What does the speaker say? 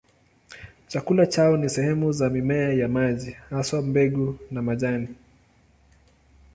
Chakula chao ni sehemu za mimea ya maji, haswa mbegu na majani.